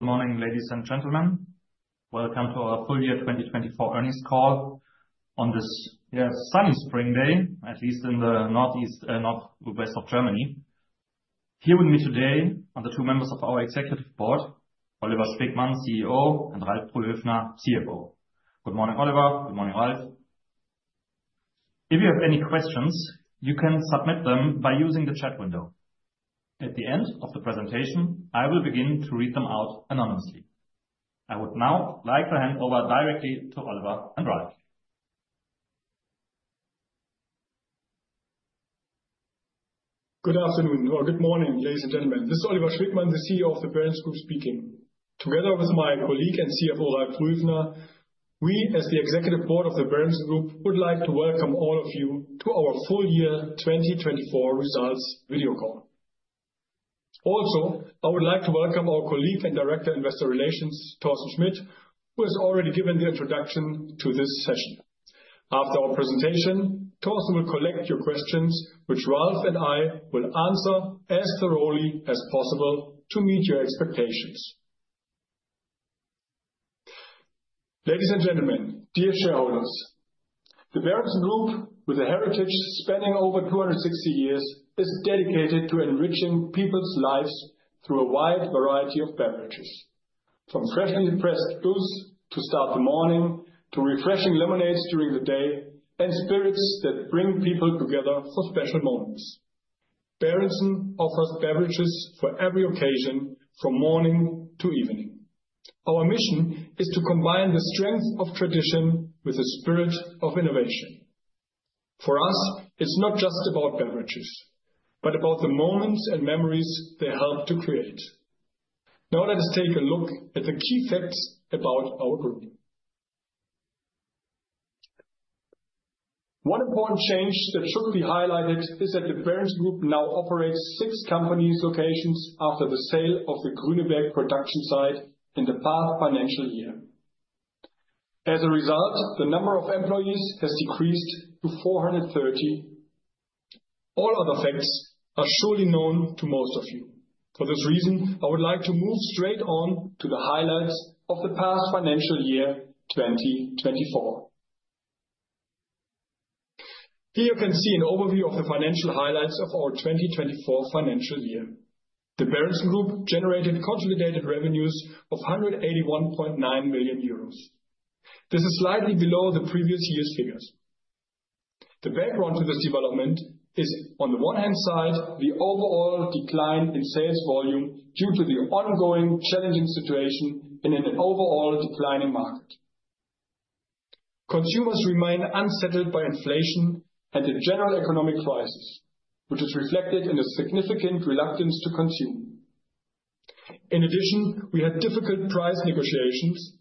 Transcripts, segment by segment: Good morning, ladies and gentlemen. Welcome to our full year 2024 earnings call on this, yeah, sunny spring day, at least in the northeast, northwest of Germany. Here with me today are the two members of our Executive Board, Oliver Schwegmann, CEO, and Ralf Brühöfner, CFO. Good morning, Oliver. Good morning, Ralf. If you have any questions, you can submit them by using the chat window. At the end of the presentation, I will begin to read them out anonymously. I would now like to hand over directly to Oliver and Ralf. Good afternoon, or good morning, ladies and gentlemen. This is Oliver Schwegmann, the CEO of the Berentzen-Gruppe speaking. Together with my colleague and CFO, Ralf Brühöfner, we, as the executive board of the Berentzen-Gruppe, would like to welcome all of you to our full year 2024 results video call. Also, I would like to welcome our colleague and Director of Investor Relations, Thorsten Schmitt, who has already given the introduction to this session. After our presentation, Thorsten will collect your questions, which Ralf and I will answer as thoroughly as possible to meet your expectations. Ladies and gentlemen, dear shareholders, the Berentzen-Gruppe, with a heritage spanning over 260 years, is dedicated to enriching people's lives through a wide variety of beverages, from freshly pressed juice to start the morning, to refreshing lemonades during the day, and spirits that bring people together for special moments. Berentzen offers beverages for every occasion, from morning to evening. Our mission is to combine the strength of tradition with the spirit of innovation. For us, it's not just about beverages, but about the moments and memories they help to create. Now let us take a look at the key facts about our group. One important change that should be highlighted is that the Berentzen-Gruppe now operates six company locations after the sale of the Grüneberg production site in the past financial year. As a result, the number of employees has decreased to 430. All other facts are surely known to most of you. For this reason, I would like to move straight on to the highlights of the past financial year 2024. Here you can see an overview of the financial highlights of our 2024 financial year. The Berentzen-Gruppe generated consolidated revenues of 181.9 million euros. This is slightly below the previous year's figures. The background to this development is, on the one hand side, the overall decline in sales volume due to the ongoing challenging situation and in an overall declining market. Consumers remain unsettled by inflation and the general economic crisis, which is reflected in the significant reluctance to consume. In addition, we had difficult price negotiations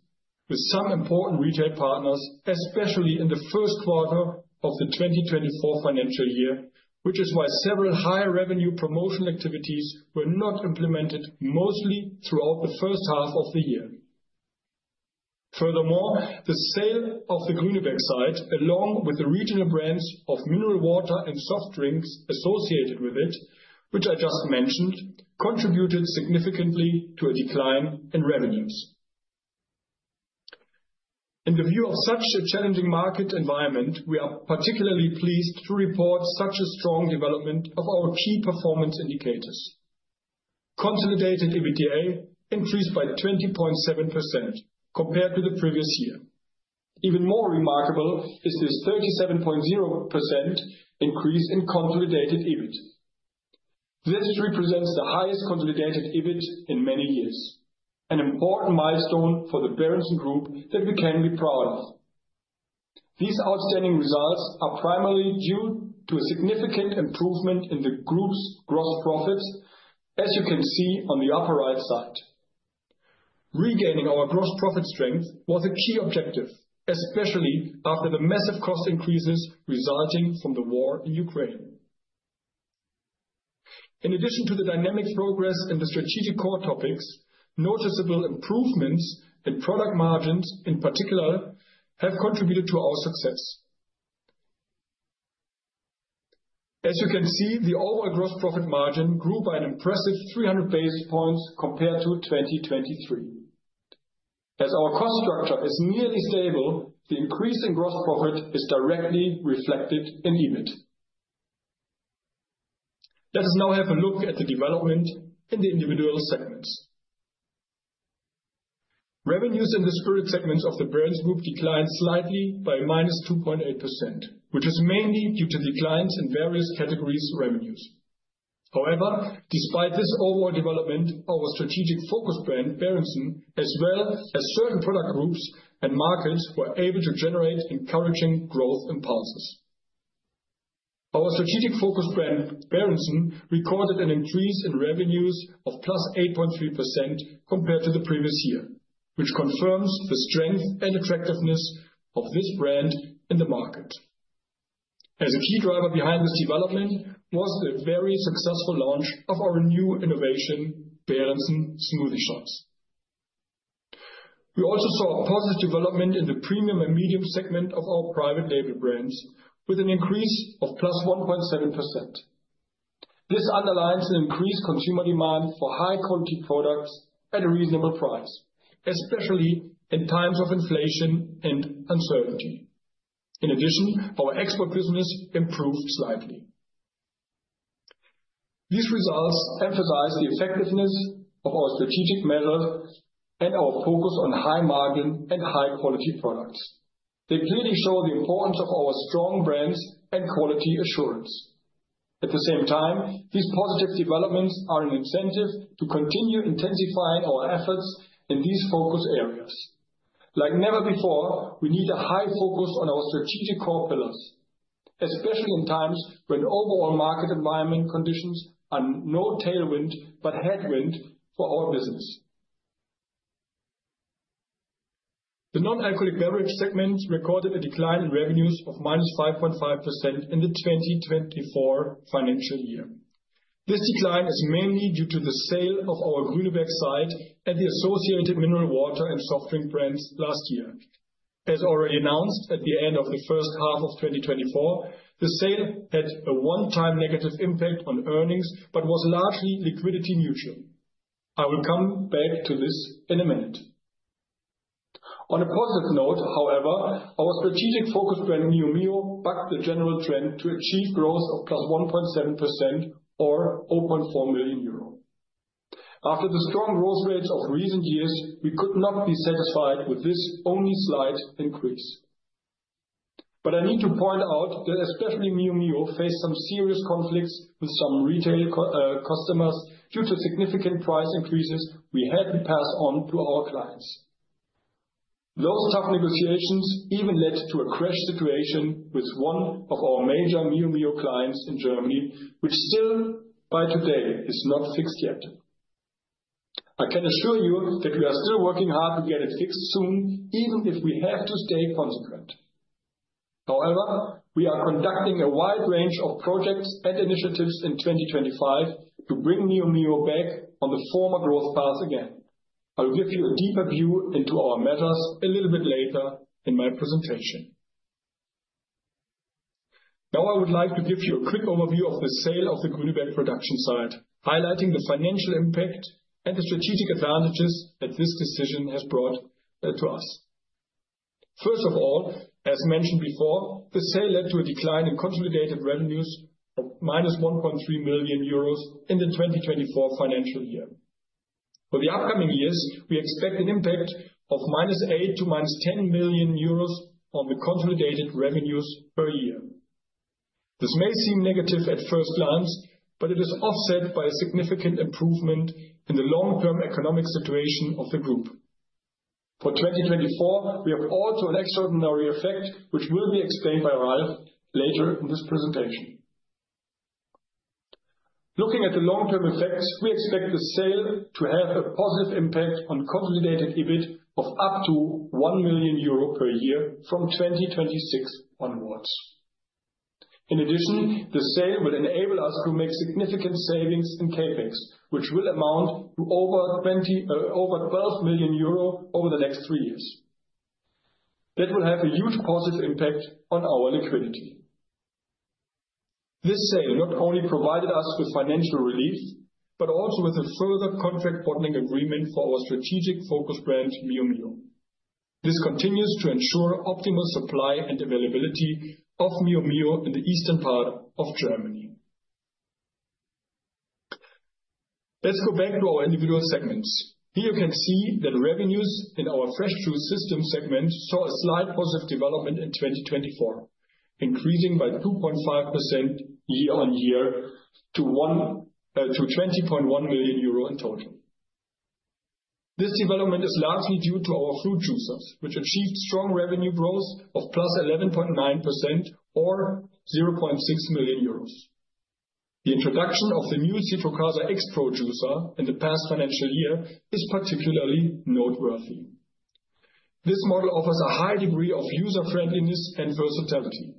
with some important retail partners, especially in the first quarter of the 2024 financial year, which is why several high-revenue promotional activities were not implemented, mostly throughout the first half of the year. Furthermore, the sale of the Grüneberg site, along with the regional brands of mineral water and soft drinks associated with it, which I just mentioned, contributed significantly to a decline in revenues. In the view of such a challenging market environment, we are particularly pleased to report such a strong development of our key performance indicators. Consolidated EBITDA increased by 20.7% compared to the previous year. Even more remarkable is the 37.0% increase in consolidated EBIT. This represents the highest consolidated EBIT in many years, an important milestone for the Berentzen-Gruppe that we can be proud of. These outstanding results are primarily due to a significant improvement in the Group's gross profits, as you can see on the upper right side. Regaining our gross profit strength was a key objective, especially after the massive cost increases resulting from the war in Ukraine. In addition to the dynamic progress and the strategic core topics, noticeable improvements in product margins, in particular, have contributed to our success. As you can see, the overall gross profit margin grew by an impressive 300 basis points compared to 2023. As our current growth is nearly stable, the increase in gross profit is directly reflected in EBIT. Let us now have a look at the development in the individual segments. Revenues in the spirit segments of the Berentzen-Gruppe declined slightly by minus 2.8%, which is mainly due to declines in various categories' revenues. However, despite this overall development, our strategic focus brand, Berentzen, as well as certain product groups and markets, were able to generate encouraging growth impulses. Our strategic focus brand, Berentzen, recorded an increase in revenues of plus 8.3% compared to the previous year, which confirms the strength and attractiveness of this brand in the market. As a key driver behind this development was the very successful launch of our new innovation, Berentzen Smoothie Shots. We also saw a positive development in the premium and medium segment of our private label brands, with an increase of +1.7%. This underlines an increased consumer demand for high-quality products at a reasonable price, especially in times of inflation and uncertainty. In addition, our export business improved slightly. These results emphasize the effectiveness of our strategic measures and our focus on high margin and high-quality products. They clearly show the importance of our strong brands and quality assurance. At the same time, these positive developments are an incentive to continue intensifying our efforts in these focus areas. Like never before, we need a high focus on our strategic core pillars, especially in times when overall market environment conditions are no tailwind but headwind for our business. The non-alcoholic beverage segments recorded a decline in revenues of -5.5% in the 2024 financial year. This decline is mainly due to the sale of our Grüneberg site and the associated mineral water and soft drink brands last year. As already announced at the end of the first half of 2024, the sale had a one-time negative impact on earnings but was largely liquidity neutral. I will come back to this in a minute. On a positive note, however, our strategic focus brand, Mio Mio, bucked the general trend to achieve growth of +1.7% or 0.4 million euro. After the strong growth rates of recent years, we could not be satisfied with this only slight increase. I need to point out that especially Mio Mio faced some serious conflicts with some retail customers due to significant price increases we had to pass on to our clients. Low-carb negotiations even led to a crash situation with one of our major Mio Mio clients in Germany, which still by today is not fixed yet. I can assure you that we are still working hard to get it fixed soon, even if we have to stay consequent. However, we are conducting a wide range of projects and initiatives in 2025 to bring Mio Mio back on the former growth path again. I'll give you a deeper view into our measures a little bit later in my presentation. Now I would like to give you a quick overview of the sale of the Grüneberg production site, highlighting the financial impact and the strategic advantages that this decision has brought to us. First of all, as mentioned before, the sale led to a decline in consolidated revenues of minus 1.3 million euros in the 2024 financial year. For the upcoming years, we expect an impact of minus 8 million to minus 10 million euros on the consolidated revenues per year. This may seem negative at first glance, but it is offset by a significant improvement in the long-term economic situation of the Group. For 2024, we have also an extraordinary effect, which will be explained by Ralf later in this presentation. Looking at the long-term effects, we expect the sale to have a positive impact on consolidated EBIT of up to 1 million euro per year from 2026 onwards. In addition, the sale will enable us to make significant savings in CapEx, which will amount to over 12 million euro over the next three years. That will have a huge positive impact on our liquidity. This sale not only provided us with financial relief, but also with a further contract bottling agreement for our strategic focus brand, Mio Mio. This continues to ensure optimal supply and availability of Mio Mio in the eastern part of Germany. Let's go back to our individual segments. Here you can see that revenues in our fresh food systems segment saw a slight positive development in 2024, increasing by 2.5% year on year to 20.1 million euro in total. This development is largely due to our fruit juicers, which achieved strong revenue growth of plus 11.9% or 0.6 million euros. The introduction of the new Citrocasa XT product in the past financial year is particularly noteworthy. This model offers a high degree of user-friendliness and versatility.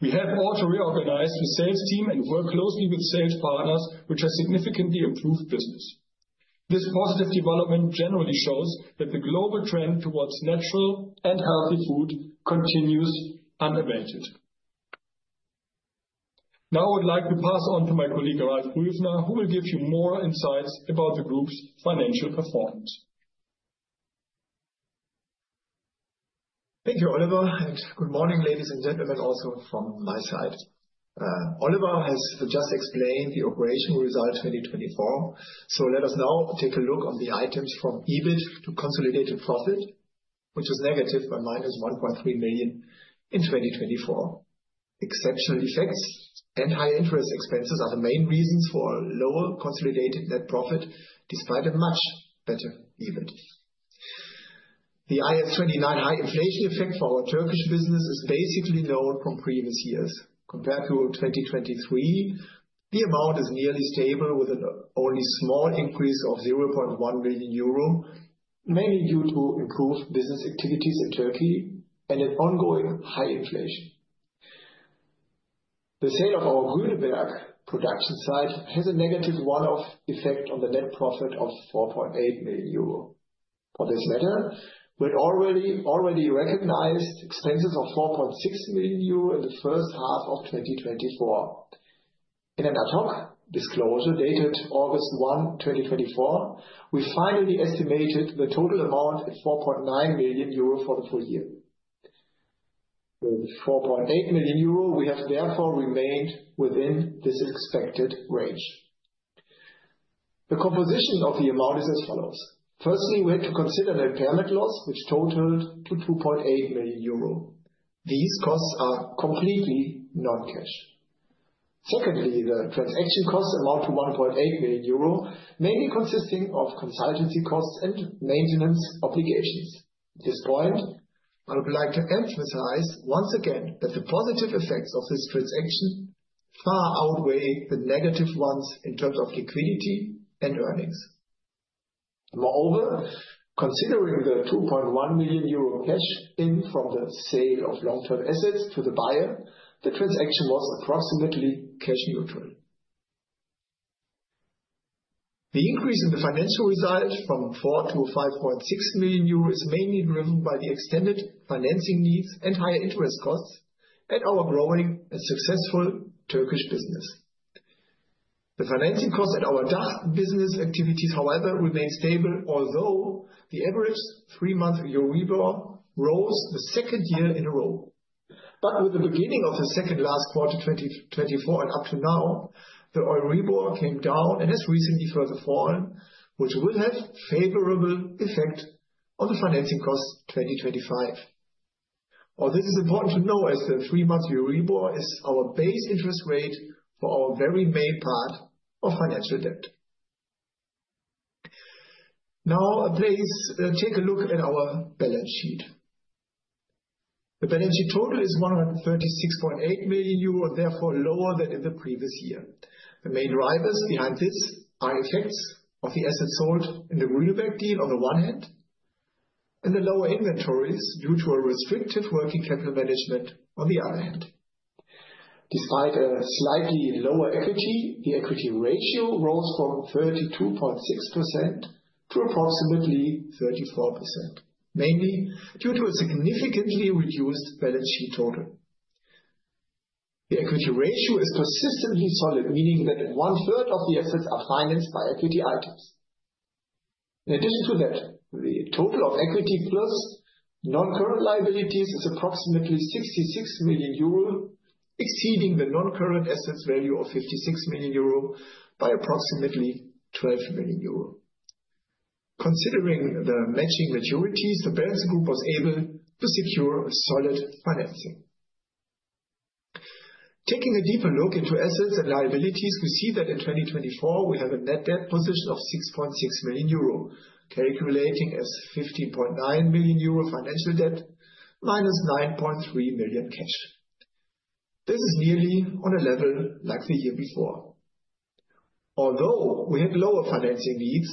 We have also reorganized the sales team and worked closely with sales partners, which has significantly improved business. This positive development generally shows that the global trend towards natural and healthy food continues unabated. Now I would like to pass on to my colleague Ralf Brühöfner, who will give you more insights about the Group's financial performance. Thank you, Oliver. Good morning, ladies and gentlemen, also from my side. Oliver has just explained the operational results for 2024. Let us now take a look on the items from EBIT to consolidated profit, which was negative by 1.3 million in 2024. Exceptional effects and high interest expenses are the main reasons for lower consolidated net profit despite a much better EBIT. The IAS 29 high inflation effect for our Turkish business is basically known from previous years. Compared to 2023, the amount is nearly stable, with an only small increase of 0.1 million euro, mainly due to improved business activities in Turkey and an ongoing high inflation. The sale of our Grüneberg production site has a negative one-off effect on the net profit of 4.8 million euro. For this matter, we had already recognized expenses of 4.6 million euro in the first half of 2024. In an ad hoc disclosure dated August 1, 2024, we finally estimated the total amount at 4.9 million euro for the full year. With 4.8 million euro, we have therefore remained within this expected range. The composition of the amount is as follows. Firstly, we had to consider the impairment loss with total EUR 2.8 million. These costs are completely non-cash. Secondly, the transaction costs amount to 1.8 million euro, mainly consisting of consultancy costs and maintenance obligations. At this point, I would like to emphasize once again that the positive effects of this transaction far outweigh the negative ones in terms of liquidity and earnings. Moreover, considering the 2.1 million euro cash in from the sale of long-term assets to the buyer, the transaction was approximately cash neutral. The increase in the financial results from 4 million-5.6 million euros is mainly driven by the extended financing needs and high interest costs and our growing and successful Turkish business. The financing costs at our business activities, however, remained stable, although the average three-month EURIBOR rose the second year in a row. With the beginning of the second last quarter 2024 and up to now, the EURIBOR came down and has recently further fallen, which will have a favorable effect on the financing costs 2025. This is important to know as the three-month EURIBOR is our base interest rate for our very main part of financial debt. Now, please take a look at our balance sheet. The balance sheet total is 136.8 million euro and therefore lower than in the previous year. The main drivers behind this are effects of the assets sold in the Grüneberg deal on the one hand and the lower inventories due to a restrictive working capital management on the other hand. Despite a slightly lower equity, the equity ratio rose from 32.6% to approximately 34%, mainly due to a significantly reduced balance sheet total. The equity ratio is consistently solid, meaning that one-third of the assets are financed by equity items. In addition to that, the total of equity plus non-current liabilities is approximately 66 million euro, exceeding the non-current assets value of 56 million euro by approximately 12 million euro. Considering the matching maturities, the Berentzen-Gruppe was able to secure solid financing. Taking a deeper look into assets and liabilities, we see that in 2024 we have a net debt position of 6.6 million euro, calculating as 15.9 million euro financial debt minus 9.3 million cash. This is nearly on a level like the year before. Although we had lower financing needs,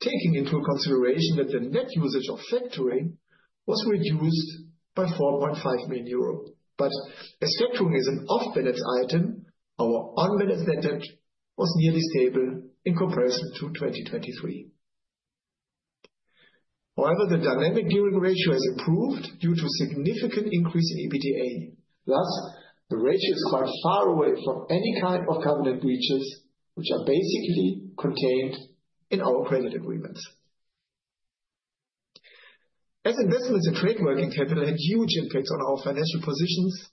taking into consideration that the net usage of factoring was reduced by 4.5 million euro, but as factoring is an off-balance item, our on-balance venture was nearly stable in comparison to 2023. However, the dynamic gearing ratio has improved due to a significant increase in EBITDA. Thus, the ratio is quite far away from any type of covenant breaches, which are basically contained in our credit agreements. As investment as a trade working capital had huge impacts on our financial positions,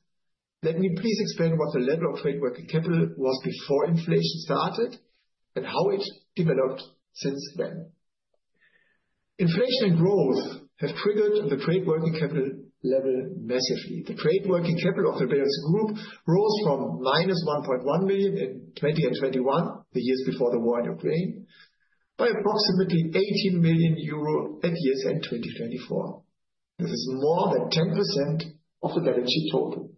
let me please explain what the level of trade working capital was before inflation started and how it developed since then. Inflation and growth have triggered the trade working capital level massively. The trade working capital of the Berentzen-Gruppe rose from minus 1.1 million in 2021, the years before the war in Ukraine, by approximately 18 million euro at year's end 2024. This is more than 10% of the balance sheet total.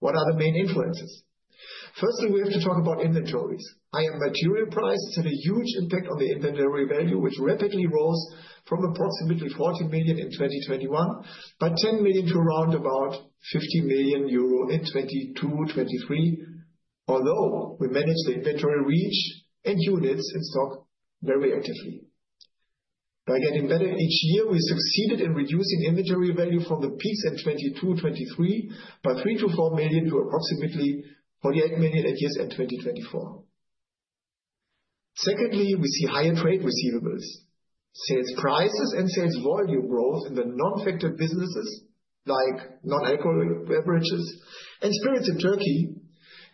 What are the main influences? Firstly, we have to talk about inventories. Higher material prices had a huge impact on the inventory value, which rapidly rose from approximately 40 million in 2021 by 10 million to around about 50 million euro in 2022-2023, although we managed the inventory reach and units in stock very actively. By getting better each year, we succeeded in reducing inventory value from the peaks in 2022-2023 by 3 million-4 million to approximately 48 million at year's end 2024. Secondly, we see higher trade receivables. Sales prices and sales volume growth in the non-factored businesses like non-alcoholic beverages and spirits in Turkey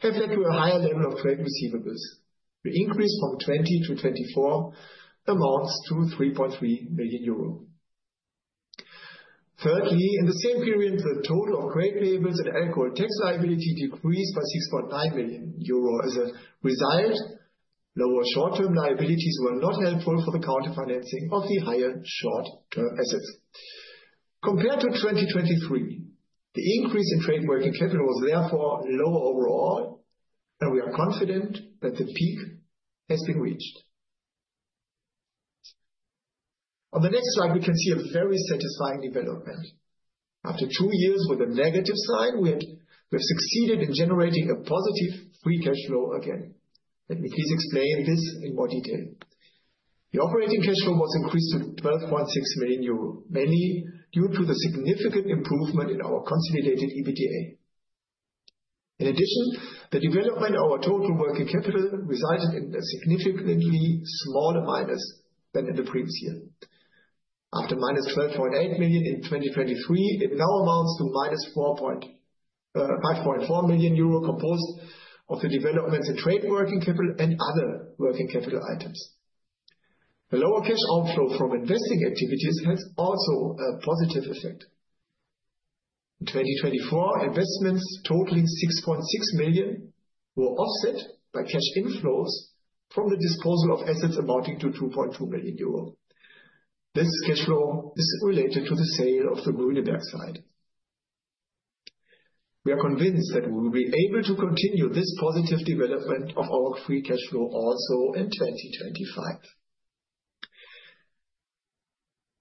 have led to a higher level of trade receivables. The increase from 2020-2024 amounts to EUR 3.3 million. Thirdly, in the same period, the total of trade payables and alcohol tax liability decreased by 6.9 million euro as a result. Lower short-term liabilities were not helpful for the counter-financing of the higher short-term assets. Compared to 2023, the increase in trade working capital was therefore low overall, and we are confident that the peak has been reached. On the next slide, we can see a very satisfying development. After two years with a negative sign, we have succeeded in generating a positive free cash flow again. Let me please explain this in more detail. The operating cash flow was increased to 12.6 million euro, mainly due to the significant improvement in our consolidated EBITDA. In addition, the development of our total working capital resulted in a significantly smaller minus than in the previous year. After - 12.8 million in 2023, it now amounts to - 5.4 million euro composed of the developments in trade working capital and other working capital items. The lower cash outflow from investing activities has also a positive effect. In 2024, investments totaling 6.6 million were offset by cash inflows from the disposal of assets amounting to 2.2 million euro. This cash flow is related to the sale of the Grüneberg site. We are convinced that we will be able to continue this positive development of our free cash flow also in 2025.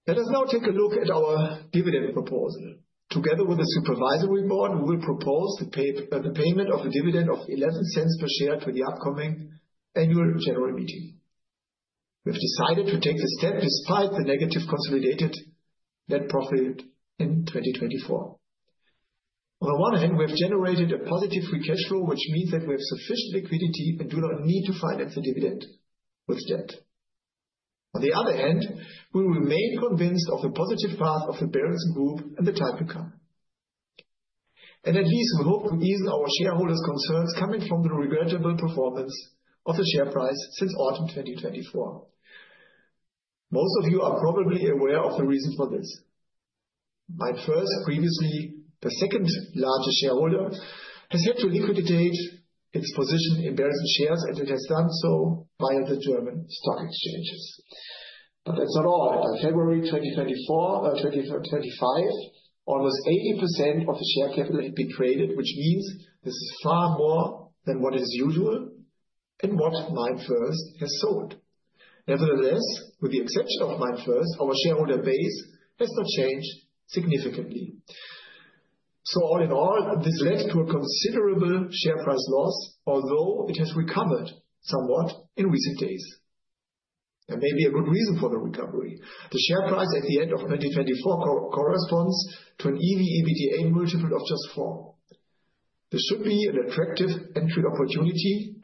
Let us now take a look at our dividend proposal. Together with the Supervisory Board, we will propose the payment of a dividend of 0.11 per share for the upcoming annual general meeting. We have decided to take this step despite the negative consolidated net profit in 2024. On the one hand, we have generated a positive free cash flow, which means that we have sufficient liquidity and do not need to finance a dividend with debt. On the other hand, we remain convinced of the positive path of the Berentzen-Gruppe in the time to come. At least we hope to ease our shareholders' concerns coming from the regrettable performance of the share price since autumn 2024. Most of you are probably aware of the reason for this. MainFirst previously. The second largest shareholder has yet to liquidate its position in Berentzen shares, and it has done so via the German stock exchanges. That is not all. In February 2024, 2025, almost 80% of the share capital had been created, which means this is far more than what is usual and what my first has sold. Nevertheless, with the exception of my first, our shareholder base has not changed significantly. All in all, I am distressed to a considerable share price loss, although it has recovered somewhat in recent days. There may be a good reason for the recovery. The share price at the end of 2024 corresponds to an EV EBITDA measurement of just 4. This should be an attractive entry opportunity.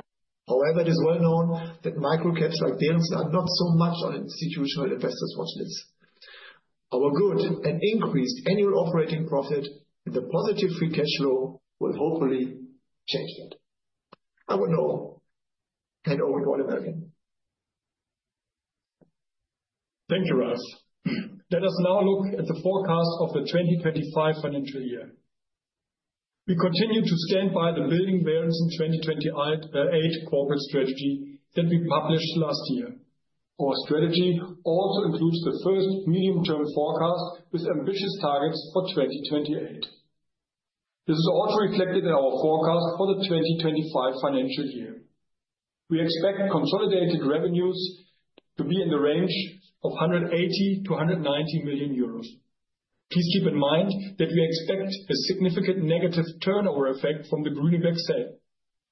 However, it is well known that micro-caps like Berentzen are not so much on institutional investors' watchlists. Our good and increased annual operating profit and the positive free cash flow will hopefully change that. Over and over, and over to Oliver again. Thank you, Ralf. Let us now look at the forecast of the 2025 financial year. We continue to stand by the Building Berentzen 2028 corporate strategy that we published last year. Our strategy also includes the first medium-term forecast with ambitious targets for 2028. This is also reflected in our forecast for the 2025 financial year. We expect consolidated revenues to be in the range of 180 million-190 million euros. Please keep in mind that we expect a significant negative turnover effect from the Grüneberg sale.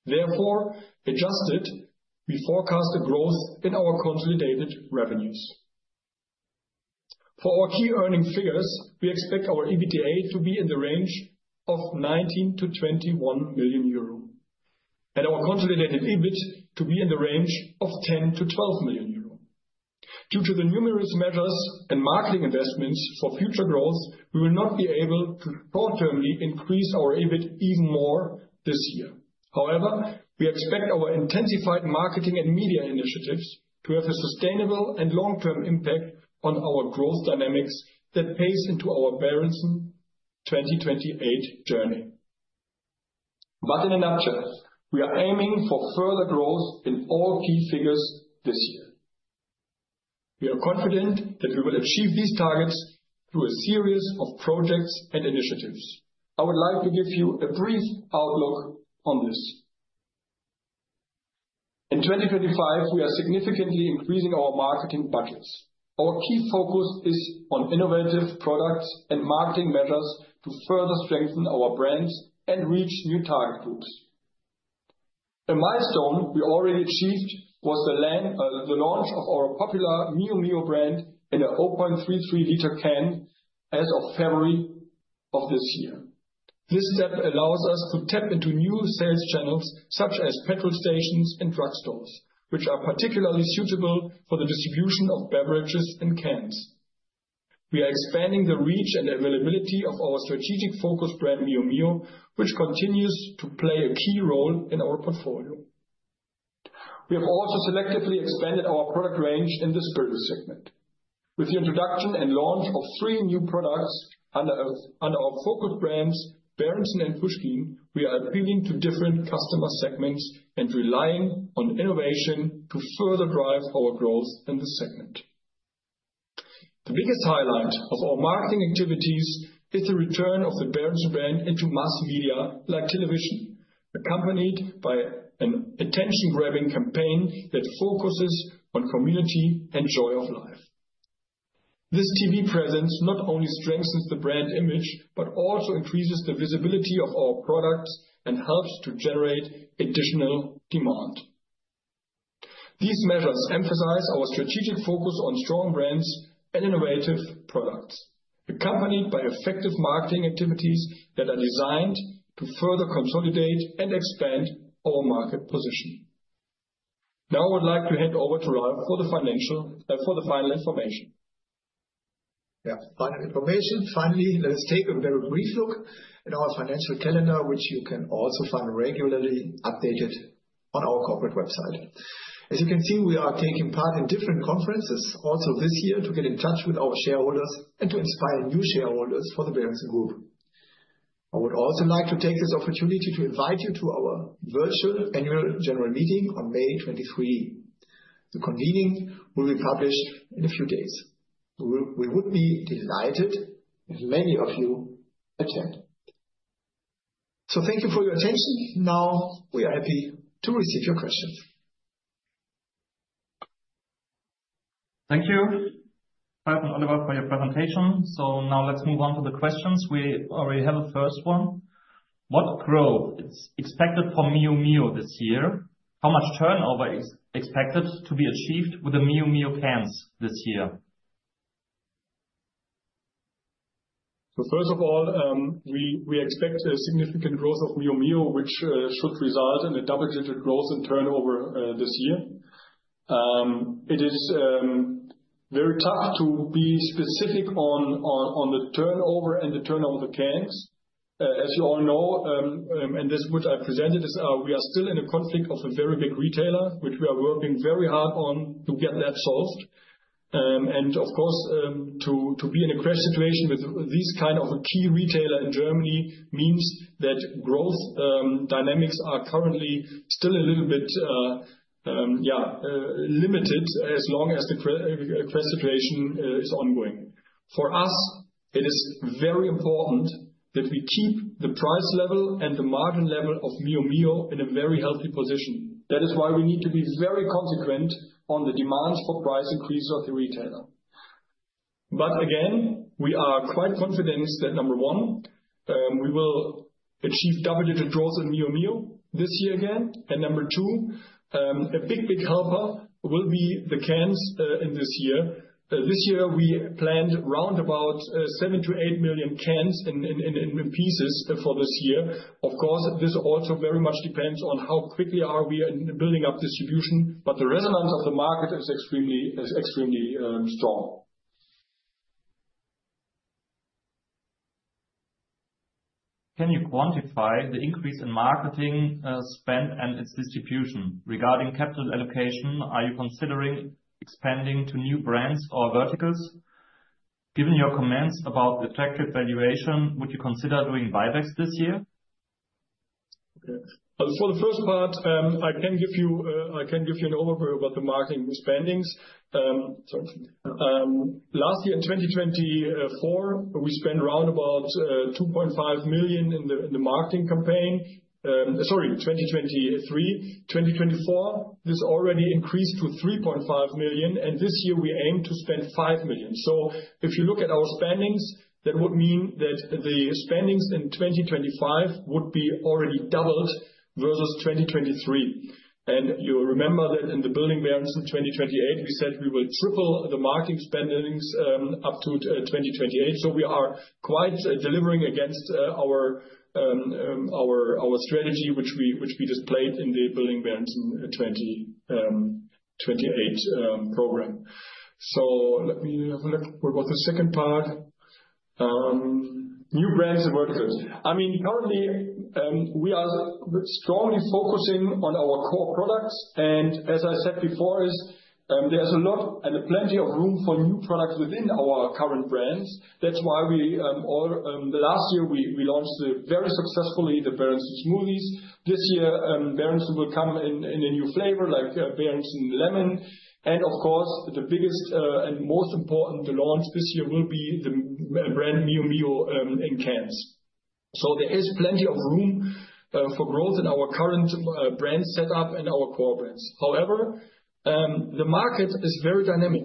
Therefore, adjusted, we forecast a growth in our consolidated revenues. For our key earnings figures, we expect our EBITDA to be in the range of 19 million-21 million euro and our consolidated EBIT to be in the range of 10 million-12 million euro. Due to the numerous measures and marketing investments for future growth, we will not be able to short-termly increase our EBIT even more this year. However, we expect our intensified marketing and media initiatives to have a sustainable and long-term impact on our growth dynamics that plays into our Berentzen 2028 journey. In a nutshell, we are aiming for further growth in all key figures this year. We are confident that we will achieve these targets through a series of projects and initiatives. I would like to give you a brief outlook on this. In 2025, we are significantly increasing our marketing budgets. Our key focus is on innovative products and marketing measures to further strengthen our brands and reach new target groups. A milestone we already achieved was the launch of our popular Mio Mio brand in the 0.33 liter can as of February of this year. This step allows us to tap into new sales channels such as petrol stations and drugstores, which are particularly suitable for the distribution of beverages and cans. We are expanding the reach and the availability of our strategic focus brand Mio Mio, which continues to play a key role in our portfolio. We have also selectively expanded our product range in this service segment. With the introduction and launch of three new products under our focus brands, Berentzen and Puschkin, we are appealing to different customer segments and relying on innovation to further drive our growth in this segment. The biggest highlight of our marketing activities is the return of the Berentzen brand into mass media like television, accompanied by an attention-grabbing campaign that focuses on community and joy of life. This TV presence not only strengthens the brand image, but also increases the visibility of our products and helps to generate additional demand. These measures emphasize our strategic focus on strong brands and innovative products, accompanied by effective marketing activities that are designed to further consolidate and expand our market position. Now I would like to hand over to Ralf for the final information. Yeah, final information. Finally, let's take a very brief look at our financial calendar, which you can also find regularly updated on our corporate website. As you can see, we are taking part in different conferences also this year to get in touch with our shareholders and to inspire new shareholders for the Berentzen-Gruppe. I would also like to take this opportunity to invite you to our virtual annual general meeting on May 23. The convening will be published in a few days. We would be delighted if many of you attend. Thank you for your attention. Now we are happy to receive your questions. Thank you, Ralf and Oliver, for your presentation. Now let's move on to the questions. We already have a first one. What growth is expected for Mio Mio this year? How much turnover is expected to be achieved with the Mio Mio cans this year? First of all, we expect significant growth of Mio Mio, which should result in double-digit growth in turnover this year. It is very tough to be specific on the turnover and the turnover of the cans. As you all know, and as I presented, we are still in a constant of a very big retailer, which we are working very hard on to get that solved. Of course, to be in a crisis situation with this kind of a key retailer in Germany means that growth dynamics are currently still a little bit, yeah, limited as long as the crisis situation is ongoing. For us, it is very important that we keep the price level and the margin level of Mio Mio in a very healthy position. That is why we need to be very consequent on the demands for price increases of the retailer. Again, we are quite confident that, number one, we will achieve double-digit growth in Mio Mio this year again. Number two, a big, big helper will be the cans this year. This year, we planned round about 7-8 million cans in pieces for this year. Of course, this also very much depends on how quickly are we building up distribution, but the resonance of the market is extremely strong. Can you quantify the increase in marketing spend and its distribution? Regarding capital allocation, are you considering expanding to new brands or verticals? Given your comments about the tracked valuation, would you consider doing buybacks this year? For the first part, I can give you an overview about the marketing spendings. Last year, in 2024, we spent round about 2.5 million in the marketing campaign. Sorry, 2023. 2024, this already increased to 3.5 million, and this year we aim to spend 5 million. If you look at our spendings, that would mean that the spendings in 2025 would be already doubled versus 2023. You remember that in the building Berentzen 2028, we said we would triple the marketing spendings up to 2028. We are quite delivering against our strategy, which we displayed in the building Berentzen 2028 program. Let me have a look at the second part. New brands and verticals. I mean, currently, we are strongly focusing on our core products. As I said before, there is a lot and plenty of room for new products within our current brands. That's why last year, we launched very successfully the Berentzen-Smoothie Shots. This year, Berentzen will come in a new flavor like Berentzen Lemon. Of course, the biggest and most important launch this year will be the brand Mio Mio in cans. There is plenty of room for growth in our current brand setup and our core brands. However, the market is very dynamic.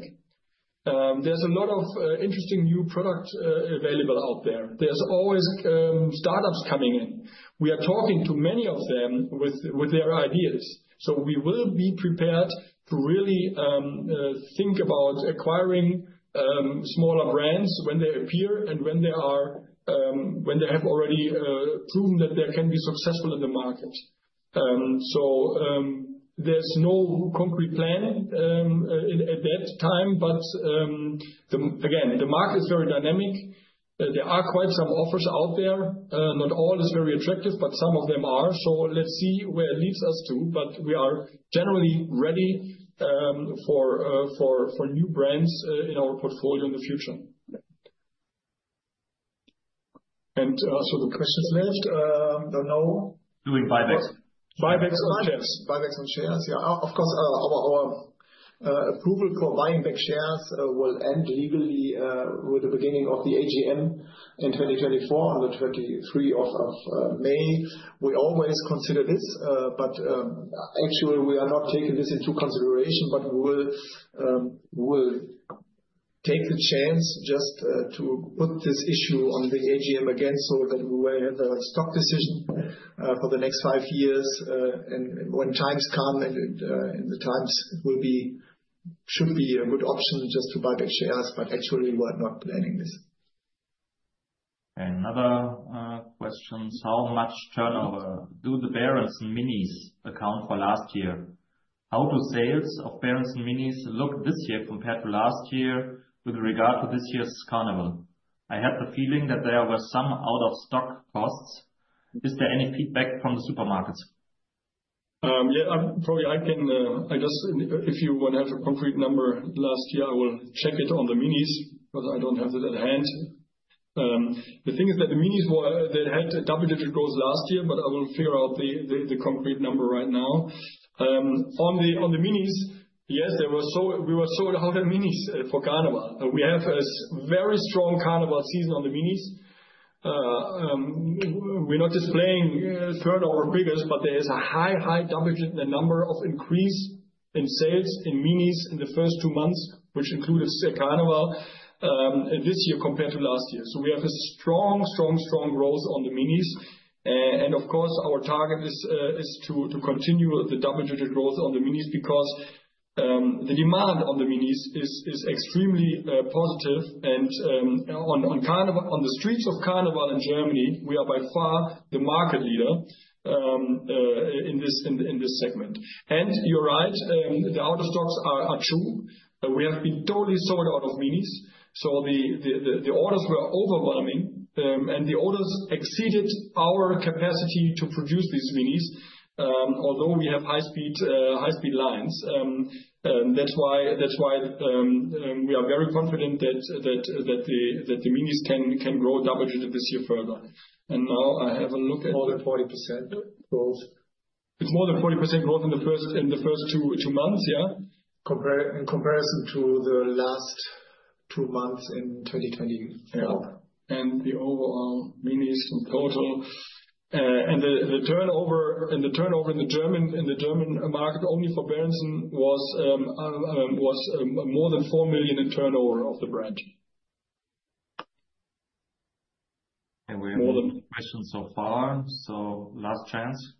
There are a lot of interesting new products available out there. There are always startups coming in. We are talking to many of them with their ideas. We will be prepared to really think about acquiring smaller brands when they appear and when they have already proven that they can be successful in the market. There is no concrete plan at that time, but again, the market is very dynamic. There are quite some offers out there. Not all is very attractive, but some of them are. Let's see where it leads us to, but we are generally ready for new brands in our portfolio in the future. The questions left, I do not know. Doing buybacks? Buybacks of shares, yeah. Of course, our approval for buying back shares will end legally with the beginning of the AGM in 2024 on the 23rd of May. We always consider this, but actually, we are not taking this into consideration, but we will take the chance just to put this issue on the AGM again so that we will have a stock decision for the next five years. When times come, in the times, it should be a good option just to buy back shares, but actually, we're not planning this. Another question: how much turnover do the Berentzen Minis account for last year? How do sales of Berentzen Minis look this year compared to last year with regard to this year's carnival? I had the feeling that there were some out-of-stock costs. Is there any feedback from the supermarkets? Yeah, probably I can, I guess, if you want to have a concrete number last year, I will check it on the Minis because I don't have it at hand. The thing is that the minis, they had a double-digit growth last year, but I will figure out the concrete number right now. On the minis, yes, we were sold 100 minis for carnival. We have a very strong carnival season on the minis. We're not displaying turnover and figures, but there is a high, high double-digit number of increase in sales in minis in the first two months, which included carnival this year compared to last year. We have a strong, strong, strong growth on the minis. Of course, our target is to continue the double-digit growth on the minis because the demand on the minis is extremely positive. On the streets of carnival in Germany, we are by far the market leader in this segment. You're right, the out-of-stocks are true. We have been totally sold out of minis. The orders were overwhelming, and the orders exceeded our capacity to produce these minis, although we have high-speed lines. That is why we are very confident that the minis can grow double-digit this year further. I have a look at more than 40% growth. It is more than 40% growth in the first two months, in comparison to the last two months in 2020. The overall minis in total, and the turnover in the German market only for Berentzen was more than 4 million in turnover of the brand. We have no questions so far. Last chance.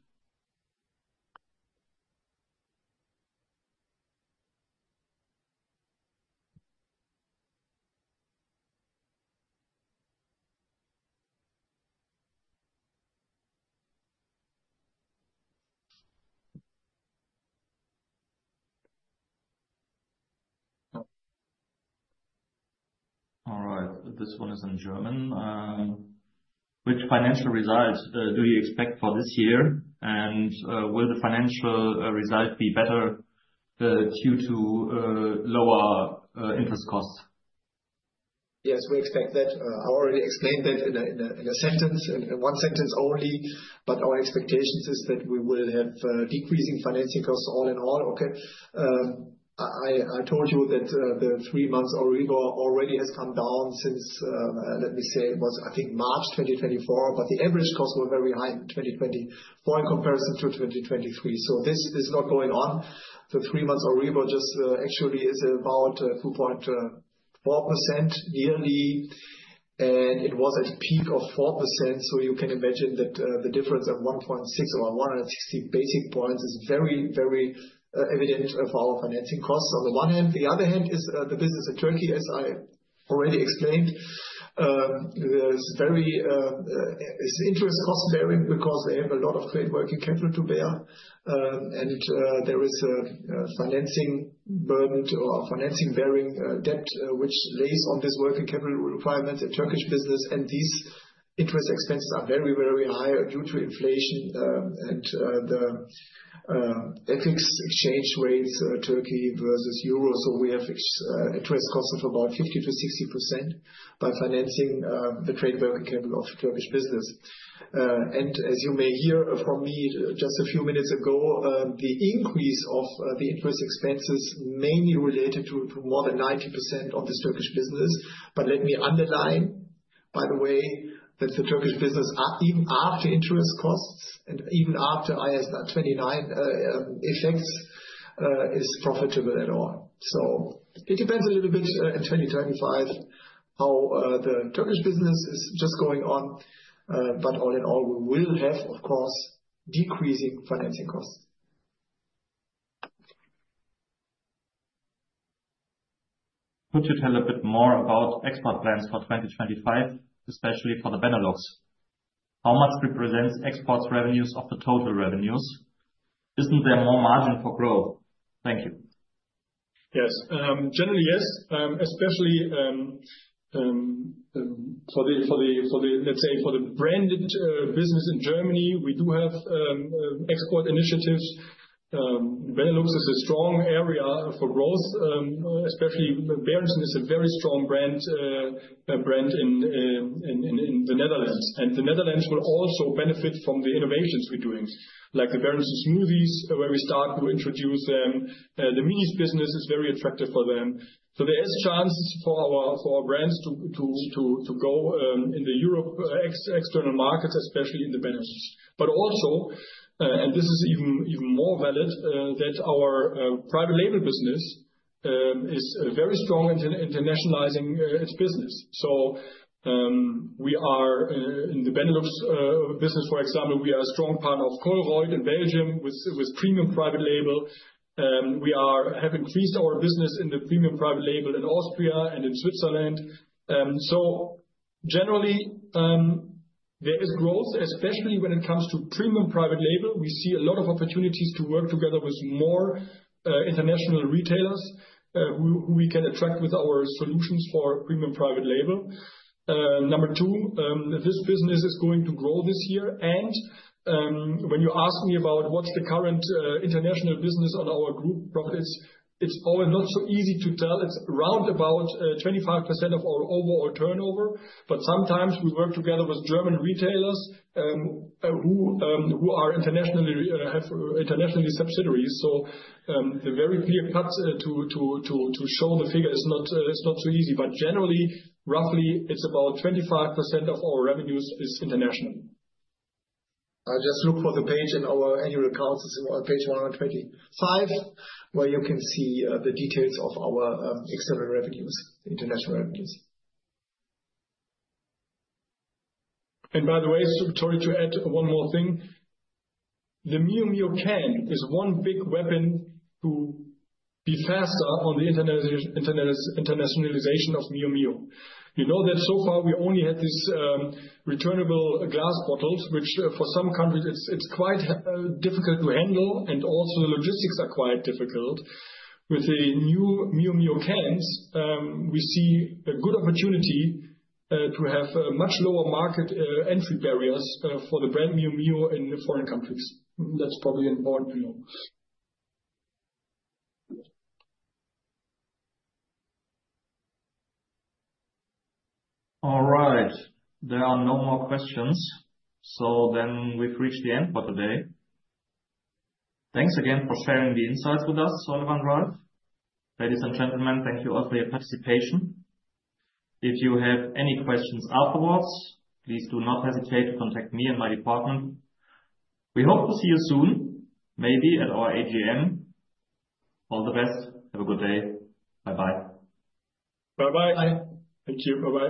All right, this one is in German. Which financial results do you expect for this year? Will the financial result be better due to lower interest costs? Yes, we expect that. I already explained that in a sentence, in one sentence only, but our expectation is that we will have decreasing financial costs all in all. I told you that the three-month EURIBOR already has come down since, let me say, it was, I think, March 2024, but the average costs were very high in 2024 in comparison to 2023. This is not going on. The three-month EURIBOR just actually is about 2.4% yearly, and it was at a peak of 4%. You can imagine that the difference of 1.6 or 160 basis points is very, very evident of our financing costs on the one hand. The other hand is the business at 2020, as I already explained. It's interest cost bearing because we have a lot of great working capital to bear. There is a financing burden or financing bearing debt, which lays on this working capital requirement at Turkish business. These interest expenses are very, very high due to inflation and the exchange rates Turkey versus euro. We have interest costs of about 50%-60% by financing the trade bearing of Turkish business. As you may hear from me just a few minutes ago, the increase of the interest expenses mainly related to more than 90% of the Turkish business. Let me underline, by the way, that the Turkish business, even after interest costs and even after IAS 29 effects, is profitable at all. It depends a little bit in 2025 how the Turkish business is just going on, but all in all, we will have, of course, decreasing financing costs. Could you tell a bit more about export plans for 2025, especially for the Benelux? How much represents exports revenues of the total revenues? Isn't there more margin for growth? Thank you. Yes, generally yes, especially for the, let's say, for the branded business in Germany, we do have export initiatives. Benelux is a strong area for growth, especially Berentzen is a very strong brand in the Netherlands. The Netherlands will also benefit from the innovations we're doing, like the Berentzen smoothies when we start to introduce them. The minis business is very attractive for them. There is a chance for our brands to go in the Europe external markets, especially in the Benelux. Also, and this is even more valid, our private label business is very strong in internationalizing its business. We are in the Benelux business, for example, we are a strong partner of Colruyt in Belgium with premium private label. We have increased our business in the premium private label in Austria and in Switzerland. Generally, there is growth, especially when it comes to premium private label. We see a lot of opportunities to work together with more international retailers who we can attract with our solutions for premium private label. Number two, this business is going to grow this year. When you ask me about what's the current international business on our group, it's all not so easy to tell. It's around about 25% of our overall turnover. Sometimes we work together with German retailers who are internationally subsidiaries. The very clear cuts to show the figure is not so easy. Generally, roughly, it's about 25% of our revenues is international. I just look for the page in our annual accounts. It is on page 125, where you can see the details of our external revenues, international revenues. By the way, sorry to add one more thing. The Mio Mio can is one big weapon to be faster on the internationalization of Mio Mio. You know that so far we only had these returnable glass bottles, which for some countries is quite difficult to handle and also logistics are quite difficult. With the new Mio Mio cans, we see a good opportunity to have much lower market entry barriers for the brand Mio Mio in foreign countries. That is probably important to know. All right. There are no more questions. We have reached the end for today. Thanks again for sharing the insight with us, Oliver and Ralf. Ladies and gentlemen, thank you all for your participation. If you have any questions afterwards, please do not hesitate to contact me and my department. We hope to see you soon, maybe at our AGM. All the best. Have a good day. Bye-bye. Bye-bye. Thank you. Bye.